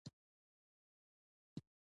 پیاز د بدن خولې له منځه وړي